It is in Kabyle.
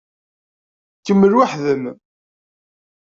Kemmel weḥd-m.